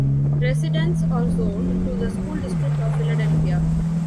Residents are zoned to the School District of Philadelphia.